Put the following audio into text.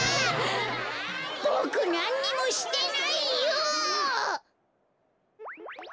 ボクなんにもしてないよ！